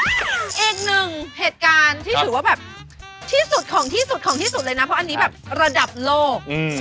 อีกหนึ่งเหตุการณ์ที่ถือว่าแบบที่สุดเลยนะเพราะอันนี้แบบระดับโลก